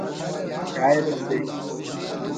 شاعر اسے